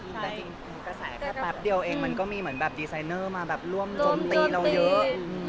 แต่กระสาทค่ะปั๊บเดียวเองมันก็มีแบบดีไซเนอร์มาร่วมจมตีเราเยอะ